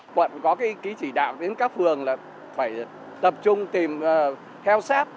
quận có ký chỉ đạo đến các phường là phải tập trung tìm theo sát